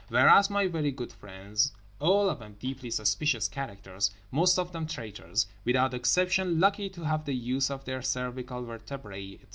Whereas my very good friends, all of them deeply suspicious characters, most of them traitors, without exception lucky to have the use of their cervical vertebrae, etc.